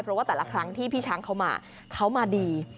เพราะว่าแต่ละครั้งที่พี่ช้างเขามาเขามาดี